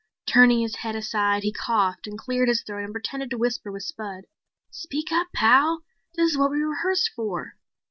Turning his head aside, he coughed and cleared his throat and pretended to whisper with Spud. "Speak up, Pal. This is what we rehearsed for."